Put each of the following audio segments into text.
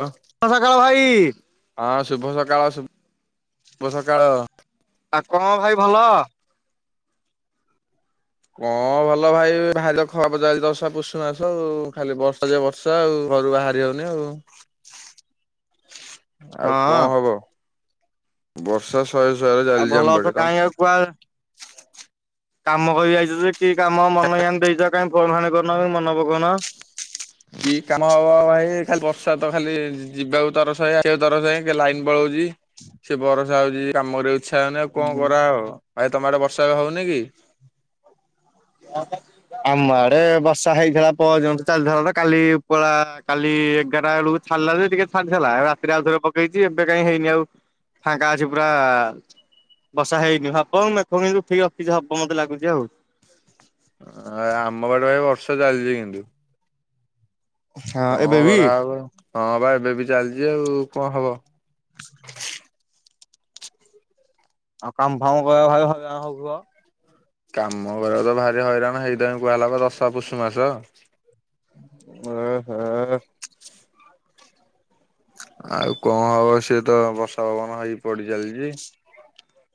ହ ଶୁଭ ସକାଳ ଭାଇ। ହଁ ଶୁଭ ସକାଳ ଶୁଭ ସକାଳ। ଆ କଣ ଭାଇ ଭଲ? କଣ ଭଲ ଭାଇ ଭାରି ଖଆ ପଚାର ଦଶା ପୁଷ ମାସ ଆଉ ଖାଲି ବର୍ଷା ଜେ ବର୍ଷା ବର୍ଷା ଆଉ ଘରୁ ବାହାରି ଯଉନି ଆଉ, ହଁ ଆଉ କଣ ହବ। ବର୍ଷା ଶହେ ଶହେରେ ଚାଲିଛି ଆମ ପାଖରେ ତମ କୁ କାମ କରି ଆଇଛ ଯେ କି କାମ ମନଜ୍ଞାନ ଦେଇଛ କାଇଁ ଫୋନ ଫାନ କରିନକି ମନେ ପକେଉନ? କି କାମ ହବ ଭାଇ ଖାଲି ବର୍ଷା ତ ଖାଲି ଯିବାକୁ ତରସ ହେ ଆସିବାକୁ ତରସ ଲାଇନ ପଳଉଛି। ସେ ବର୍ଷା ହଉଛି କାମ କରିବାକୁ ଇଚ୍ଛା ହଉନି ଆଉ କଣ କରାହବ ଭାଇ ତମଆଡେ ବର୍ଷା ହଉନି କି? ଆ ଆମ ଆଡେ ବର୍ଷା ହେଇଥିଲା ପଅରଦିନଠୁ ଚାଲିଥିଲାତ କାଲି ଉପଳା କାଲି ଏଗାରଟା ବେଳକୁ ଛାଡିଲା ଯେ ଟିକେ ଛାଡ଼ିଥେଲା ଏ ରାତିରେ ଆଉଥରେ ପକେଇଛି ଏବେ କାଇଁ ହେଇନି ଆଉ। ଫାଙ୍କାଅଛି ପୁରା ବର୍ଷା ହେଇନି ହବ ମେଘ ହେମିତି ଉଠେଇକି ରଖିଛି ହବ ମତେ ଲାଗୁଛି ଆଉ। ଆମ ଇଆଡେ ଭାଇ ବର୍ଷା ଚାଲିଛି କିନ୍ତୁ। ହଁ କଣ ଏବେ ବି? କରାହେବ ହଁ ବା ଏବେ ବି ଚାଲିଛି ଆଉ କଣ ହବ। ଆଉ କାମ ଫାମ ପାଇଁ ଭାଇ ହଇରାଣ ହଉଥିବ। କାମ କରିବା ତ ଭାରି ହଇରାଣ ହେଇ ଟାଇମ୍ କୁହା ହେଲା ଦଶା ପୁଷୁ ମାସ। ଏହେ। ଆଉ କଣ ହବ ସିଏ ତ ବର୍ଷା ପବନ ହେଇକି ପଡିଚାଲିଛି।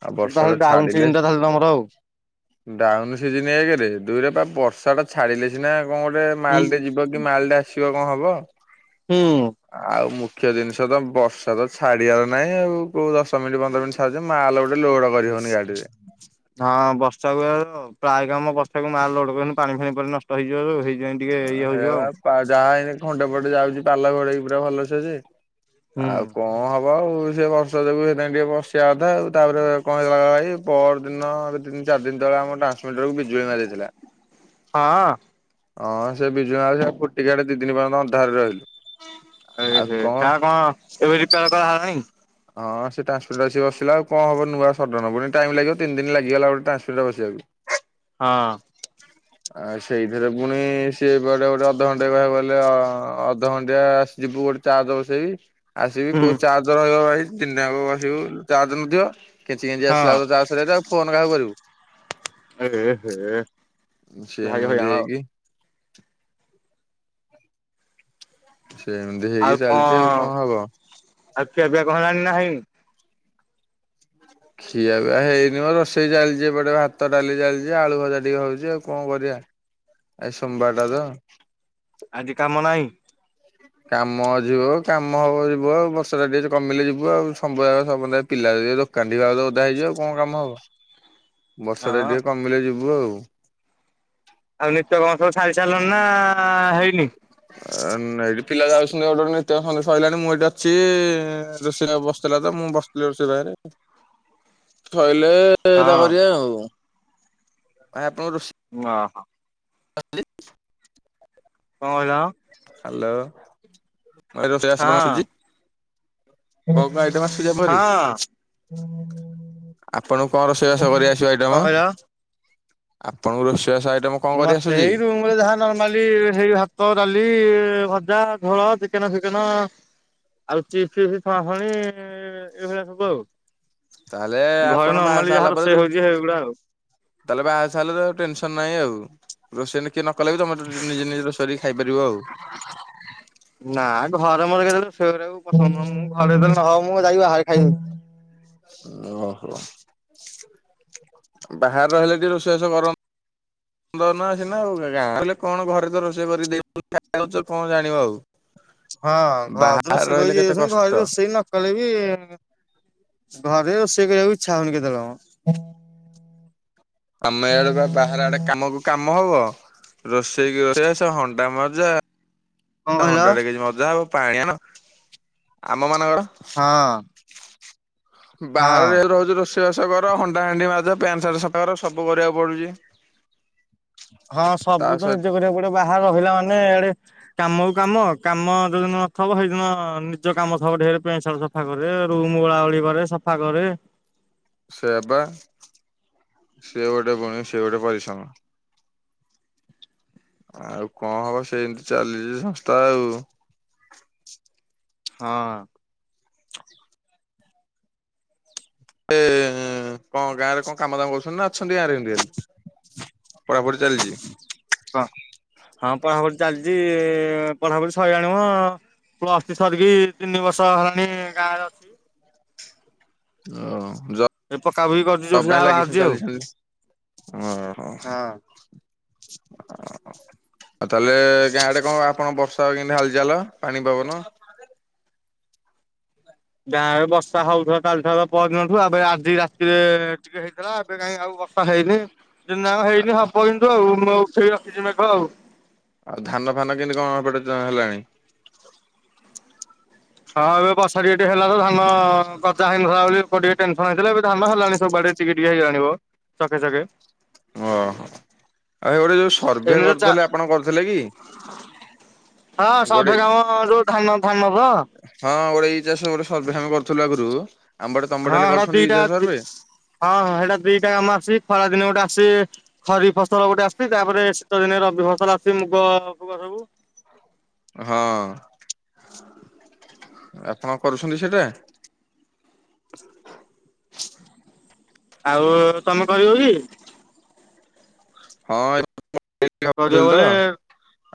ଆଉ ତାହେଲେ ବର୍ଷାଟା ଡାଉନ ସିଜିନ ଛାଡିଲେ ଟା ତାହେଲେ ତମର ଆଉ ଡାଉନ ସିଜିନ ଏକରେ ଦୁଇରେ ପା ବର୍ଷା ଟା ଛାଡିଲେ ସିନା କଣ ଗୋଟେ ହୁଁ। ମାଲ୍ ଟେ ଯିବ କି ମାଲ୍ ଟେ ଆସିବ କଣ ହବ। ହୁଁ ଆଉ ମୁଖ୍ୟ ଜିନିଷ ତ ବର୍ଷା ତ ଛାଡିବାର ନାହିଁ ଆଉ କୋଉ ଦଶ ମିନିଟ ପନ୍ଦର ମିନିଟ୍ ଛା- ମାଲ ଗୋଟେ ଲୋଡ଼ ହଁ ବର୍ଷାକୁ ପ୍ରାୟ କାମ ବର୍ଷାକୁ ମାଲ ଲୋଡ କରିନୁ ପାଣି ଫାଣି ପଡି ନଷ୍ଟ। [unintelligible] ହେଇ ହେ ବା ଯାହା ହେଇନି ଖଣ୍ଡେ ପଟେ ଯାଉଛି ପାଲ ଘୋଡେଇକି ପୁରା ଭଲସେ ଯେ। ହୁଁ। ଆଉ କଣ ହବ ଆଉ ସେ ବ ର୍ଷା ଯୋଗୁ ସେଥିପାଇଁ ଟିକେ ବସିବା କଥା ଆଉ ତାପରେ କଣ ହେଇଥିଲା କହିଲ ଭାଇ ପର ଦିନ ତିନି ଚାରି ଦିନ ତଳେ ଆମ ଟ୍ରାନ୍ [unintelligible] ବିଜୁଳି ମାରିଦେଇଥିଲା। ହଁ ହଁ ସେ ବିଜୁଳ ମାରିକି ଫୁଟିକି ଇଆଡେ ଦି ଦିନ ପର୍ଯ୍ୟନ୍ତ ଅନ୍ଧାରେ ରହିଲୁ। ଏ ହେ ସାର୍ କଣ ଏବେ ରିପେୟାର କରାହେଲାଣି। ହଁ ସେ ଟାନ୍ସ୍ ମିଟର୍ ଆସି ବସିଲା ଆଉ କଣ ହବ ନୂଆ ସଡନ ପୁଣି ଟାଇମ୍ ଲାଗିବ ତିନ୍ ଦିନ୍ ଲାଗିଗଲା ଗୋଟେ ଟ୍ରାନ୍ସମିଟର୍ ବସିବାକୁ। ହଁ ଆଉ ସେଇଥିରେ ପୁଣି ସିଏ କୁଆଡେ ଗୋଟେ ଅଧଘଣ୍ଟା କହିବାକୁ ଗଲେ ଅଧଘଣ୍ଟିଆ ଯିବୁଗୋଟେ। ଚାର୍ଜ ବସେଇବି। ଆଜି ବି ହୁଁ କୋଉ ଚାର୍ଜ ରହିବ ଭାଇ ଦିନଯାଙ୍କ ବସିବୁ ଚାର୍ଜ ନଥିବ କେଞ୍ଚି କେଞ୍ଚି ଆସିଲା ବେଳକୁ ହଁ ଚା [unintelligible] ଆଉ ଫୋନ୍ କାହାକୁ କରିବୁ। ଏହେ ହେ। ଭାରି ହଇରାଣ ସେମିତି ଆଉ ହେଇକି। ସେମତି ହେଇକି ଚାଲିଛି ଆଉ କଣ ହବ। ଆଉ ଖିଆପିଆ କଣ ହେଲାଣି ନା ହେଇନି। ଖିଆ ପିଆ‌ ହେଇନି ମୋ ରୋଷେଇ ଚାଲିଛି ଏପଟେ ଭାତ ଡାଲି ଚାଲିଛି ଆଳୁ ଭଜା ଟିକେ ହଉଛି ଆଉ କଣ କରିବା। ଆଜି ସୋମବାରଟା ତ। ଆଜି କାମ ନାହିଁ? କାମ ଅଛି ମ କାମ ହବ ଯିବ ବର୍ଷଟା ଟିକେ କମିଲେ ଯିବୁ ଆଉ। [unintelligible] କାନ୍ଦିବା ବ ତ ଓଦା ହେଇଯିବ ଆଉ କଣ କାମ ହବ ବର୍ଷାଟା ହଁ ଟିକେ କମିଲେ ଯିବୁ ଆଉ। ଆଉ ନିଦ କଣ ସବୁ ଛାଡ଼ି ସାରିଲଣି ନା ହେଇନି। ଏ ନାଇଁ ପିଲା ଯାଉଛନ୍ତି ଗୋଟେ ଗୋଟେ ନିତ୍ୟ କର୍ମ ସରିଲାଣି ମୁଁ ଏଇଠି ଅଛି ରୋଷେଇଆ ବସିଥିଲା ତ ମୁଁ ବସିଥିଲି ରୋଷେଇ କରିବାପାଇଁ। ଶୋଇଲେ ତା ହଁ। କରିବା ଆଉ କହି ଆପଣଙ୍କ ରୋଷେଇ ହଁ, ହଁ, [unintelligible] କଣ କହିଲ? ହ୍ୟାଲୋ, ଭାଇ ରୋଷେଇବାସ ହଁ। କଣ ଆସୁଛି? କଣ କଣ ଆଇଟମ ଆସୁଛି ହଁ କରି? କଣ ଆପଣଙ୍କୁ କଣ ରୋଷେଇବାସ କରି ଆସିବ ଆଇଟମ୍? କହିଲ? ଆପଣଙ୍କୁ ରୋଷେଇବାସ ଆଇଟମ୍ ମୋତେ ହେଇ ରୁମ୍ ରେ ଯାହା ନର୍ମାଲି ସେଇ ଭାତ, ଡାଲି, ଭଜା, ଝୋଳ ଚିକେନ ଫିକେନ ଆଉ ଚିପ୍ସ ଛଣାଛଣି ଏଇଭଳିଆ ସବୁ ଆଉ। ତାହେଲେ ଆପଣ ଘରେ ବାହାସାହା ନର୍ମାଲି ହେଲା ଯାହା ପରେ ଦୁ ରୋଷେଇ ହଉଛି ହେଇ ଗୁଡା ଆଉ। ତାହେଲେ ବାହାସାହା ହେଲେ ତ ଟେନସନ ନାହିଁ ଆଉ ରୋଷେଇ ସିଏ ନ କଲେ ବି ତମେ ନିଜେ ନିଜେ ରୋଷେଇରେ ଖାଇପାରିବ ଆଉ। ନା ଘରେ ମୋର କେତେବେଳେ ଶ ପସନ୍ଦ ମୁଁ ଘରେ ନ ହବ ମୁଁ ଯାଇ ବାହରେ ଖାଇବି। ଓହୋ ବାହାରେ ରହିଲେ ଟିକେ ରୋଷେଇବାସ କରନ୍ତ। ଦ ନା ଆସି ନା ଆଉ ଗାଁ କଲେ କଣ ଘରେ ତ ରୋଷେଇ କରିଦଉଛ କଣ ଜାଣିବ ଆଉ। ହଁ ଘା ବାହାରେ ଦଷ ରହିଲେ ଯ କେତେ ଘାଦ କଷ୍ଟ। ରୋଷେଇ ନକଲେ ବି ଘରେ ରୋଷେଇ କରିବାକୁ ଇଚ୍ଛା ହଉନି କେତେବେଳେ ଆମେ ଇଆଡ଼େ ବାହାରେ ଆଡେ କାମକୁ କାମ ହବ ରୋଷେଇକି ରୋଷେଇ ସବୁ ହଣ୍ଡା ମଜା। କଣ କହିଲ ହଣ୍ଡା ଡେକ୍ଚି ମଜା ହବ ପାଣି ଆଣିବାର ଆମ ମାନଙ୍କର ହଁ। ହଁ। ବାହାରେ [unintelligible] ରୋଷେଇବାସ କର, ହଣ୍ଡା ହଣ୍ଡି ମାଜ ପ୍ୟାଣ୍ଟ ସାର୍ଟ ସଫାକର ସବୁ କରିବାକୁ ପଡୁଚି। ହଁ ସବୁ ତ ସହିତ ନିଜେ କରିବାକୁ ପଡିବ, ବାହାରେ ରହିଲା ମାନେ ଆଡେ। କାମକୁ କାମ-କାମ ଯୋଉଦିନ ନଥବ, ସେଇଦିନ ନିଜ କାମ ଥିବ ଢେର ପେଣ୍ଟ ସାର୍ଟ ସଫା। ସଫା କରେ ରୁମ୍ ଓଳା ଓଳି କରେ ସଫା କରେ। ସେୟାବା ସେ ଗୋଟେ ପୁଣି ସେ ଗୋଟେ ପରିଶ୍ରମ। ଆଉ କଣ ହବ ସେମ୍ତି ଚାଲିଚି ସଂସ୍ଥା ଆଉ। ହଁ। ଏ କଣ ଗାଁ ରେ କଣ କାମ ଦାମ କରୁଛନ୍ତି ନା ଅଛନ୍ତି ଗାଁରେ ଏମିତି ଖାଲି? ପଢାପଢି ଚାଲିଚି? ହଁ ପଢାପଢି ଚାଲିଚି, ପଢାପଢି ସଇଲାଣି ମ। ପ୍ଲସ୍ ଥ୍ରି ସରିକି ତିନି ବର୍ଷ ହେଲାଣି ଗାଁରେ ଅଛି। [unintelligible] ଜ ବ୍ ପାଇଁ ଏ ପକାପକି କରୁଛି ଯୋଉଠି ଯାହା [unintelligible] ବାହାରୁଛି ଆଉ। ହଁ। ଆଉ ତାହେଲେ ଗାଁ ଆଡେ କଣ ଆପଣ ବର୍ଷ ର୍ଷାର କେନ୍ତି ହାଲ୍ ଚାଲ ପାଣି ପବନ? ଗାଁରେ ବର୍ଷା ହଉଥେଲା କାଲିଠାରୁ ପଅର ଦିନଠୁ ଫେରେ ଆଜି ରାତିରେ ଟିକେ ହେଇଥେଲା। ଏବେ କାଇଁ ଆଉ ବର୍ଷା ହେଇନି, ଦିନଯାକ ହେଇନି ହବ କିନ୍ତୁ ଆଉ ମୁଁ ଉଠେଇ ରଖିଛି ମେଘ ଆଉ। ଆଉ ଧାନ ଫାନ କେନ୍ତି କଣ ଏପଟେ ହେଲାଣି? ହଁ ଏବେ ବର୍ଷା ଟିକେ-ଟିକେ ହେଲା ତ ଧାନ ଗଜା ହେଇନଥିଲା ବୋଲି [unintelligible] ଟେନ୍ସନ୍ ହେଇଥିଲେ ଏବେ ଧାନ ହେଲାଣି ସବୁଆଡେ ଟିକେ-ଟିକେ ହେଇଗଲାଣି ବ ଚକେ-ଚକେ। ଓହୋ ଆଉ ଗୋଟେ ଯୋଉ ସର୍ଭେ ଏଇନେ ଯୋଉ ଚା କରୁଥିଲେ ଆପଣ କରିଥିଲେ କି? ହଁ ଗୋଟେ ସର୍ଭେ କାମ ଯୋଉ ଧାନ ଧାନର? ହଁ ଗୋଟେ ଏଇ ଚାଷ ଗୋଟେ ସର୍ଭେ ଆମେ କରୁଥିଲୁ ଆଗରୁ [unintelligible] ତମ ଆଡେ ହେଲେ କରୁଚନ୍ତି ଏଇ ଚାଷ ସର୍ଭେ? ହଁ-ହଁ ହେଇଟା ଦିଟା ଆମ ଆସଛି ଖରା ଦିନେ ଗୋଟେ ଆସଛି ଖରିଫ୍ ଫସଲ ଗୋଟେ ଆସୁଛି, ତାପରେ ଶୀତଦିନେ ରବି ଫସଲ ଆସଛି ମୁଗ ଫୁଗ ସବୁ। ହଁ। ହ। ଆପଣ କରୁଛନ୍ତି ସେଇଟା? ଆଉ ତମେ କରିବ କି? ହଁ। କିରିବ କରିଦେଲି ତ ବୋଲେ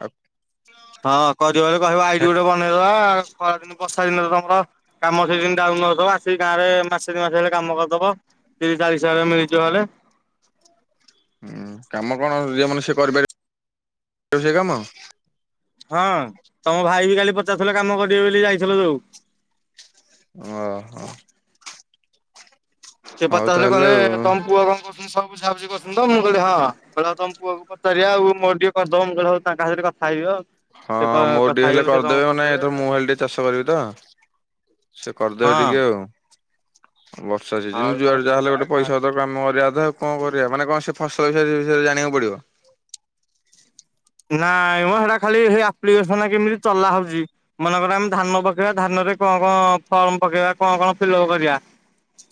ଆଉ ହଁ କରିବ ବୋଲି କହିବ ଆଇଡି ହେକ୍ ଗୋଟେ ବନେଇଦବା, ଖରାଦିନ ବର୍ଷା ଦିନରେ ତମର କାମ ସିଜିନ୍ ଡାଉନ୍ [unintelligible] ଆସିକି ଗାଁରେ ମାସେ ଦି ମାସେ ହେଲେ କାମ କରିଦବ। ତିରିଶ୍ ଚରିଶ୍ ହଜାରେ ମିଳିଯିବ ହେଲେ। ହୁଁ କାମ କଣ ଯିଏ ମନ ସିଏ କରିପାରିବ ସେ କାମ? ହଁ ତମ ଭାଇ ବି କାଲି ପଚାରୁଥିଲେ କାମ କରିବେ ବୋଲି ଯାଇଥିଲ ଯୋଉ। ଓହୋ। ସେ ହଉ ପଚାରୁଥିଲେ ତାହେଲେ ଆଉ କହିଲେ ତମ ପୁଅ କଣ କ [unintelligible] ସବୁ ବୁଝାବୁଝି କରୁଛନ୍ତି ତ ମୁଁ କହିଲି ହଁ କହିଲେ ହଁ ତମ ପୁଅକୁ ପଚାରିଆ ଆଉ ମୋର ଟିକେ କରିଦବ, ମୁଁ କହିଲି ହଉ ତାଙ୍କ [unintelligible] କ ଥା ହେଇଯିବ ଆଉ। ହଁ ମୋର ଟିକେ ହେଲେ କରିଦେବେ, ନାଇଁ [unintelligible] ମୁଁ ହେଲେ ଟିକେ ଚାଷ କରିବି ତ। ସେ କରିଦେବେ ଟିକେ ଆଉ, ବର୍ଷା ସିଜିନ୍ ଧାର ଯୁଆଡୁ ଯାହେଲେ ଗୋଟେ କରିଦବା। ପଇସା [unintelligible] କାମ କରିଆ କଥା ଆଉ କଣ କରିଆ, ମାନେ କଣ ସେ ଫସଲ କିଆରି ବିଷୟରେ ଜାଣିବାକୁ ପଡିବ? ନାଇଁମ ସେଟା ଖାଲି ସେଇ ଆପ୍ଲିକେସନ୍ ଟା କେମିତି ଚଲା ହଉଚି ମନେକର ଆମେ ଧାନ ପକେଇବା ଧାନରେ କଣ-କଣ ଫର୍ମ ପକେଇବା କଣ-କଣ ଫିଲପ କରିଆ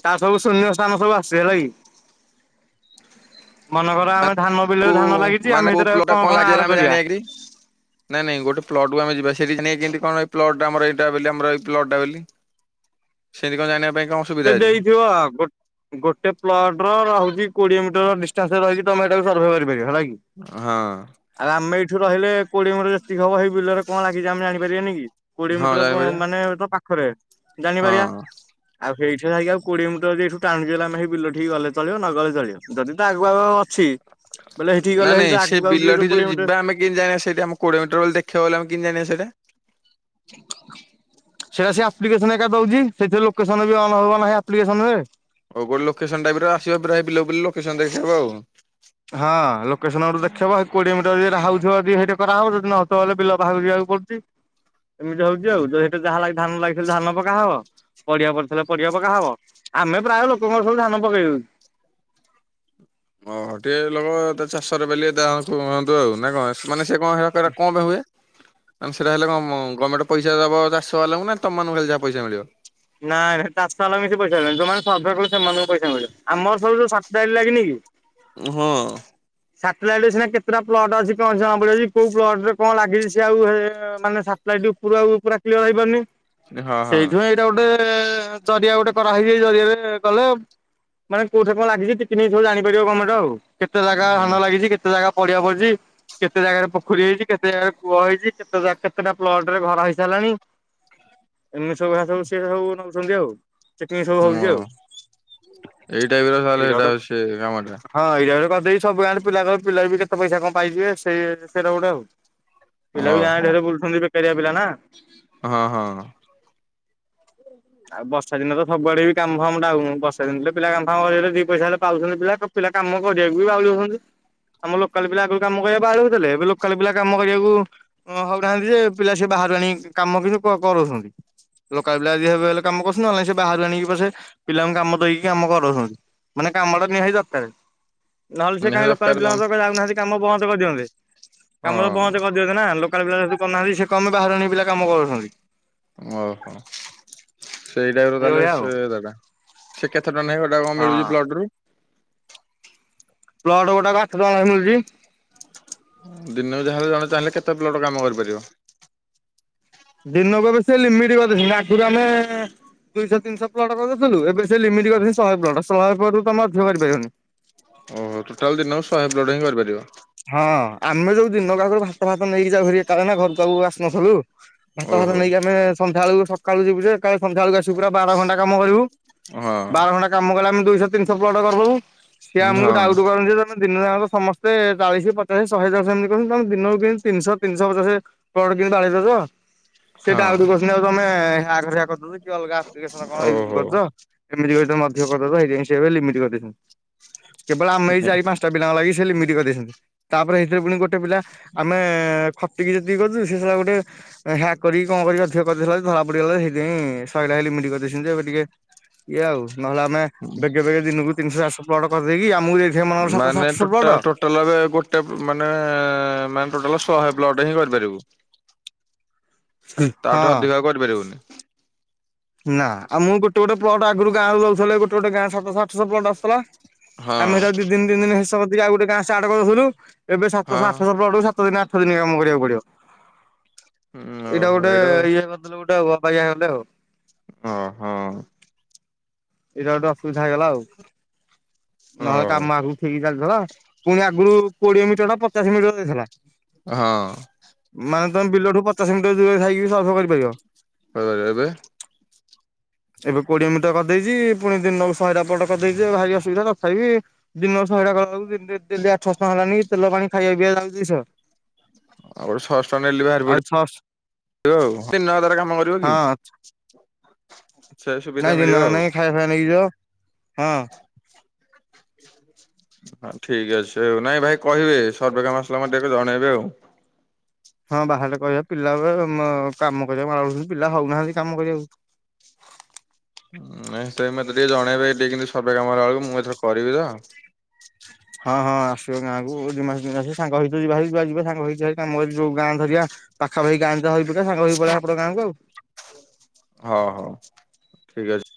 ତା ସବୁ ଶୂନ୍ୟସ୍ଥାନ ସବୁ ଆସେ ହେଲା କି। [inaudible] ମନେକର ଆମେ ଧାନ ବିଲରେ କୋଉ ଧାନ ଲାଗିଚି, ମାନେ ଆମେ କୋଉ ସେଥିରେ ପ୍ଲଟଟା କଣ-କଣ ଆଡ୍ ନାଇଁ-ନାଇଁ ଗୋଟେ ପ୍ଲଟକୁ ଆମେ ଯିବା ସେଠି ଜଣିଆ କେନ୍ତି କଣ ପ୍ଲଟ ଆମର ଏଇଟା ବୋଲି ଆମର ଏଇ ପ୍ଲଟଟା ବେଲି? ସେନ୍ତି କଣ ଜାଣିବା ପାଇଁ କଣ? ସେ ସୁବିଧା ଅଛି ଦେଇଥିବ ଗୋ ଗୋଟେ ପ୍ଲଟର ରହୁଛି କୋଡିଏ ମିଟର ଡିଷ୍ଟାନ୍ସରେ ରହିଛି ତମେ ଏଇଟାକୁ ସର୍ଭେ କରିପାରିବ ହେଲା କି? ହଁ। ଆଉ ଆମେ ଏଇଠୁ ରହିଲେ? କୋଡିଏ ମିଟର ଯେତିକ ହବ ସେଇ ବିଲରେ କଣ ଲାଗିଛି ଆମେ ଜାଣିପାରିବାନି କି କୋଡିଏ ହଁ ମିଟର ଜାଣିପାରିବା। ମାନେ ତ ପା ପାଖରେ ହଁ ଜାଣିପାରିବା। ଆଉ ସେଇଠି ଯାଇକି ଆଉ କୋଡିଏ ମିିଟର ଏଇଠି ଟାଣୁଚ଼ି ବେଲେ ଆମେ ସେଇ ବିଲଠିକି ଗଲେ ଚ଼ଳିବ ନ ଗଲେ ଚଳିବ ଯଦି ଆଗୁଆଗ ଅଛି। ବୋଲେ ସେଇଠିକି ଗଲେ ସେଇ ଆଗକୁ ଆକୁ ଟିକେ ଯୋଉ କୋଡିଏ ମିଟର କିନ୍ତି ଜାଣିଆ ସେଟା ଆମ କୋଡିଏ ମିଟର ବେଲି ଦେଖେଇବ ବେଲେ ଆମେ କିନ୍ତି ଜଣିବା ସେଟା? ସେଟା ସେ ଆପ୍ଲିକେସନ ଏକା ଦଉଛି ସେଥିରେ ଲୋକେସନ ବି ଅନ଼ ହବ ନା ଆପ୍ଲିକେସନରେ ଆଉ ଗୋଟେ ଲୋକେସନ ଟାଇପରେ ଆସିବା ଲୋକେସନ ଦେଖେଇବ ଆଉ ହଁ ଲୋକେସନ ଦେଖେଇବ କୋଡିଏ ମିଟର ଯେଟା ହଉଥିବ ସେଇଟେ କରାହବ ଯଦି ନ ହଉଥିବ ହେଲେ ବିଲ ବାହାରକୁ ଯିବାକୁ ପଡୁଛି। ଏମିତି ହଉଛି ଆଉ ଯେଠି ଯାହା ଧାନ ଲାଗିି ଥିଲେ ଧାନ ପକା ହବ ପଢଆ ପଡିଥିଲେ ପଢିବା ପକା ହବ ଆମେ ପ୍ରାୟ ଲୋକଙ୍କର ସବୁ ଧାନ ପକେଇଦଉଛୁ। ଅ ହ ଗୋଟିଏ ଲୋକ ଚାଷରେ ବଲି ତା କୁହନ୍ତୁ ନା କଣ ସେ କଣ ମାନେ ସେ କଣ ପାଇଁ ହୁଏ? ଆମ ସେଇଟା ହେଲେ କଁ ଗମେଣ୍ଟ ପଇସା ଦେବ ଚାଷ ବାଲାଙ୍କୁ ନା ତମମାନଙ୍କୁ ହେଲେ ଯାହା ପଇସା ମିିଳିବ? ନାଇଁ ଚାଷବାଲାଙ୍କୁ ବେଶୀ ପଇସା ନାହିଁ ଯୋଉମାନେ ସର୍ଭେ କରୁଛନ୍ତି ସେମାନଙ୍କୁ ପଇସା ମିଳିବ ଆମର ସବୁ ସର୍ପ୍ରାଇ ଲାଗିନି କି? ହଁ। ସାଟେଲାଇଟରେ ସିନା କେତେଟା ପ୍ଲଟ ଅଛି କଣ ପ୍ଲଟ ଅଛି କଣ ଜଣା ପଡଛି କୋଉ ପ୍ଲଟରେ କଣ ଲାଗିଛି ସ ଆଉ ମାନେ ସାଟେଲାଇଟ ଉପୁରୁ ଆଉ କ୍ଲିଅର ହେଇପାରୁନି ହଁ ସେଇଥିପାଇଁ ଏଇଟା ଗୋଟେ ଜରିଆ ଗୋଟେ କରାହେଇଯାଇ ଜରିଆରେ ଗଲେ ମାନେ କୋଉଠି କଣ ଲାଗିଛି ଟିକିନିଖି ସହ ଜାଣିପାରିବ ଗମେଣ୍ଟ ଆଉ କେତେ ଜାଗା ଧାନ ଲାଗିଛି କେତ କେତେ ଜାଗା ପଡିଆ ପଡ଼ିଛି। କେତେ ଜାଗାରେ ପୋଖରୀ ହେଇଛି କେତେ ଜାଗାରେ କୂଅ ହେଇଛି କେତେ କେତେଟା ପ୍ଲଟରେ ଘର ହେଇସାରିଲାଣି ଏମିତି ସବୁ ଘାସ ସବୁ ସିଏ ସବୁ ନଉଛନ୍ତି ଆଉ ଚେକିଂ ସବୁ ହୁଁ ହଉଛି ଆଉ ଏଇ ଟାଇପର ଏଇଟା ଗୋଟେ ତାଲେ ସେ କାମ ଟା ହଁ ଏଇଟାରେ କରିଦେଇଛି ସବୁ ଆଣିେ ପିଲା ପିଲା ବି କେତେଆଉ ପଇସା କଣ ପାଇଯିବେ ସେଇଟା ଗୋଟେ ଆଉ ପିଲା ବି ଓହୋ ଗାଁରେ ବୁଲୁଛନ୍ତି ବେକାରମରିଆ ପିଲା ନା ହଁ ହଁ। ଆଉ ବର୍ଷା ଦିନ ତ ସବୁଆଡ ବି କାମ ଫାମ ଡାଉନ ବର୍ଷା ଦିନ ପିଲା କାମ ଫାମ କରିବେ ଦି ପଇସା ହେଲେ ପାଉଛନ୍ତି ପିଲା ପିଲା କାମ କରିଆକୁ ବି ବାଉଳି ହଉଛନ୍ତି। ଆମ ଲୋକାଲ ପିଲା ଆଗ କାମ କରିବା ବାଉଳି ହଉଥିଲେ ଏବେ ଲୋକାଲ ପିଲା କାମ କରିବାକୁ ହଉନାହାନ୍ତି ଯେ ପିଲା ସେ ବାହାରୁ ଆଣି କାମ କିଛି କରାଉଛନ୍ତି ଲୋକାଲ ପିଲା ଝିଅ ଫିଅ ହେଲେ କାମ କରୁଛନ୍ତି ନହେଲେ ସେ ବାହାରୁ ଆଣିକି ପଛେ ପିଲାଙ୍କୁ କାମ ଦେଇକି କାମ କରଉଛନ୍ତି। ମାନେ କାମଟା ନିହାତି ଦରକାର। ନହେଲେ ସେ ନିହାତି କାହିଁ ଲୋକାଲ ଦରକାର ପିଲା କଣ ଯାଉନାହାନ୍ତି କାମ ବନ୍ଦ କରିଦିଅନ୍ତେ ହଁ କାମ ତ ବନ୍ଦ କର ଦିଅନ୍ତେ ନା ଲୋକାଲ ପିଲା ଯଦି କରୁନାହାନ୍ତି ସେ କଁ ପାଇଁ ବାହାରୁ ଆଣିକି ପିଲା କାମ କରଉଛନ୍ତି? ଓହୋ ସେଇଟାକୁ ତାହେଲେ ଏଇଭଳିଆ ଆଉ ସେ କଥା ସେ କେତେ ଟଙ୍କା ନ ଏଟା କଣ ମିଳୁଛି ହଁ। ପ୍ଲଟରୁ? ପ୍ଲଟ ଗୋଟା ବା ଆଠ ଟଙ୍କା ଲେଖା ମିଳୁଛି। ଦିନକୁ ଯାହାଲେ ଜଣେ ଚାହିଁଲେ କେତେ ପ୍ଲଟ କାମ କରିପାରିବ? ଦିନକୁ ଏବେ ସେ ଲିମିଟ କରିଦେଇଛନ୍ତି ଆଗରୁ ଆମେ ଦୁଇଶହ ତିନିଶହ ପ୍ଲଟ କରିଦେଇଥିଲୁ ଏବେ ସେ ଲିମିଟ କରି ଶହେ ପ୍ଲଟ ଶହେ ପ୍ଲଟରୁ ତମର ଅଧିକ ମଧ୍ୟ କରିପାରିବନି। ଓହୋ ଟୋଟାଲ ଦିନକୁ ଶହେ ପ୍ଲଟ ହିଁ କରିପାରିବ। ହଁ ଆମେ ଯୋଉ ଦିନକ ଆଗରୁ ଭାତ ଫାତ ନେଇକି ଯାଉ ଘର ପାଖକୁ ଆସିନଥାଉ। ଭାତ ଫାତ ଓହୋ ନେଇକି ଆମେ ସନ୍ଧ୍ୟାବେଳୁ ସକାଳୁ ଯିବୁ ଯେଳେ ସନ୍ଧ୍ୟାବେଳକୁ ଆସୁ ପୁରା ବାର ଘଣ୍ଟା କାମ କରିବୁ। ବାର ହଁ ଘଣ୍ଟା କାମ କଲେ ଆମେ ଦୁଇଶହ ତିନିଶହ ପ୍ଲଟ କରିଦେଲୁ ସିଏ ଆମକୁ ହଁ ଡାଉଟୁ କରନ୍ତି ତମେ ଦିନରେ ଆମର ସମସ୍ତେ। ଚାଳିଶ ପଚାଶ ଶହେ ଦଶ ଏମିତି କରୁ ତୁମେ ଦିନକୁ କେମିତି ତିନିଶ ତିିନିଶ ପଚାଶେ ବାଡେଇ ଦଉଛ। ସିଏ ହଁ ଡାଉଟୁ କରିଛନ୍ତି ଆଉ ତମେ [unintelligible] ଅଲଗା ଆପ୍ଲିକେସନ କଣ ୟୁଜ ଓହୋ। କରୁଛ। ଏମତି କହି ତମେ ଅଧିକ କରିଦବ ହେଇତି ପାଇଁ ସେ ହିସାବ ରେ ଲିମିଟ କରିଦେଇଛନ୍ତି କେବଳ ଆମ ଏଇ ଚାରି ପାଞ୍ଚ ପିଲାଙ୍କ ଲାଗି ସେ ଲିମିଟ କରି ଦେଇଛନ୍ତି। ତାପରେ ହେଇତିରେ ପୁଣି ଗୋଟେ ପିଲା ଆମେ ଖଟିକି ଯେତିକି କରଛୁ ସେ ଶଳା ଗୋଟେ ହ୍ୟାକ୍ କରି କଣ କରି ଅଧିକ କରିଦେଲା ଯେ ଧରା ପଡିଗଲା ସେଇଥିପାଇଁ ଶହେ ଲିମିଟ କରିଦେଇଛନ୍ତି, ଏବେ ଟିକେ ଏଇଆ ଆଉ ନହେଲେ ଆମେ ବେଗେ ବେଗେ ଦିନକୁ ତିନିଶହ ଚାରିଶହ ପ୍ଲଟ କରିଦେଇକି ଆମକୁ ସେଅମାନଙ୍କର ସାତଶ ମାନେ ଆଠଶ ପ୍ଲଟ। ଟୋଟାଲ ଟୋଟାଲ ଏବେ ଗୋଟେ ମାନେ ଟୋଟାଲ ଶହେ ପ୍ଲଟ ହିଁ କରିପାରିବୁ। ତାଠୁ ହଁ। ଅଧିକା ଆଉ କରିପାରିବୁନି। ନା ଆଉ ମୁଁ ଗୋଟେ ଗୋଟେ ପ୍ଲଟ ଆଗରୁ ଗାଁରୁ ଦଉଥିଲେ ଗୋଟେ ଗୋଟେ ଗାଁ ସାତଶ ଆଠଶ ପ୍ଲଟ ଆସୁଥିଲା। ହଁ ଆମେ ତାକୁ ଦି ଦିନ ତିନି ଦିନ ହିସାବରେ ଆଉ ଗୋଟେ ଗାଁ ଷ୍ଟାର୍ଟ କରଦଉଥିଲୁ ଏବେ ହଁ ସାତଶହ ଆଠଶହ ପ୍ଲଟକୁ ସାତ ଦିନ ଆଠ ଦିନ କାମ କରିବାକୁ ପଡିବ, ଏଇଟା ଓହୋ ଗୋଟେ ତ ଇଏ କରିଦେଲେ ଗୋଟେ [unintelligible] ହଁ ହଁ। ଏଇଟା ଗୋଟେ ଅସୁବିଧା ହେଇଗଲା ଆଉ ଓ ନହେଲେ କାମ ଆଗକୁ ଠିକ ଚାଲିଥିଲା ପୁଣି ଆଗରୁ କୋଡିଏ ମିଟର ଟା ପଚାଶ ମିଟର ଦେଇଥିଲା। ହଁ। ମାନେ ତମେ ବିଲ ଠୁ ପଚାଶ ମିଟର ଦୂରରେ ଥାଇକି ବି ସର୍ଭେ କରିପାରିବ। କରିପାରିବ ଏବେ ଏବେ କୋଡିଏ ମିଟର କରିଦେଇଛି ପୁଣି ଦିନକୁ ଶହେଟା ପ୍ଲଟ କରିଦେଇଛି ଭାଇ ଅସୁବିଧା ତଥାପି ଦିନକୁ ଶହେଟା କଲା ବେଳୁକୁ ଡେଲି ଆଠଶ ଟଙ୍କା ହେଲାନିକି ତେଲ ପାଣି ଖାଇବା ପିଇବା ଯାଉ ଦୁଇ ଶ। ଆଉ ଗୋଟେ ଛଅଶହଟଙ୍କା ଡେଲି ବାହାରି ଆଉ ଛଅଶହ ପଡିବ, ଆଉ ତିନ ଆଉ ତାର କାମ କରିବ କି। ହ ହଁ ନାଇଁ [unintelligible] ନାଇଁ ଖାଇବା ଫାଇବା ନେଇକି ଯିବ ହଁ। ହଁ ଠିକ ଅଛି ଆଉ ନାଇଁ ଭାଇ କହିବେ ସର୍ଭେ କାମ ଆସିଲା ମତେ ଜଣେଇବେ ଆଉ। ହଁ ବାହାରିଲେ କହିବା ପିଲା ଏ କାମ କରିବାକୁ [unintelligible] ପିଲା ହଉନାହାନ୍ତି କାମ କରିବାକୁ। ନାଇ ସେ ମତେ ଟିକେ ଜଣେଇବେ ଟିକେ କି ସର୍ଭେ କାମ ହେଲା ବେଳକୁ ମୁଁ ଏଥର କରିବି ତ। ହଁ ହଁ ଆସିବ ଗାଁକୁ ଦି ମାସ ତିନ ମାସେ ସାଙ୍ଗ ହେଇକି ଯିବାହାରି ଯୁଆଡେ ଯିବା ସାଙ୍ଗ ହେଇ କାମ କରି ଯୋଉ ଗାଁ ଧରିବା ପାଖା ପାଖି ଗାଁ ଦିଟା ଧରି ପକେଇବା ସାଙ୍ଗ ହେଇ ପଳେଇବା ହେପଟ ଗାଁକୁ ଆଉ। ଅ ହ ଠିକ ଅଛି।